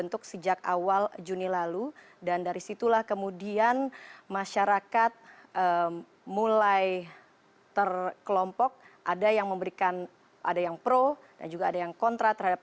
terima kasih kepada sleng terima kasih atas dukungan selalu